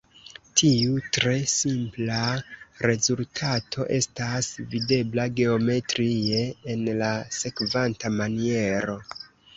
Tiu tre simpla rezultato estas videbla geometrie, en la sekvanta maniero.